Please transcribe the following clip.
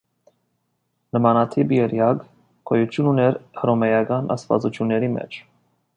Նմանատիպ եռյակ գոյություն ուներ հռոմեական աստվածությունների մեջ։